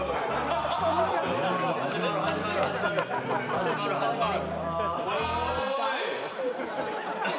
始まる、始まる。